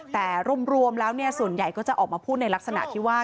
แต่รวมแล้วส่วนใหญ่ก็จะออกมาพูดในลักษณะที่ว่า